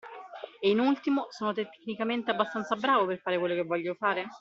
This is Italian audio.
E in ultimo: sono tecnicamente abbastanza bravo per fare quello che voglio fare?